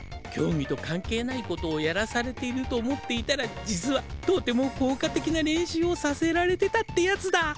きょうぎとかんけいないことをやらされていると思っていたら実はとてもこうかてきな練習をさせられてたってやつだ。